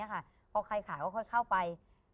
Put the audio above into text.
พอใครขายก็ค่อยเข้าไป